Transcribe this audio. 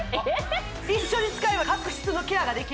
一緒に使えば角質のケアができる